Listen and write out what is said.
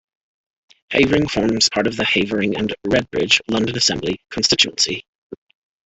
Havering forms part of the Havering and Redbridge London Assembly constituency.